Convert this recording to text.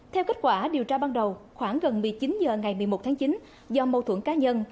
theo kết quả điều tra ban đầu khoảng gần một mươi chín h ngày một mươi một tháng chín do mâu thuẫn cá nhân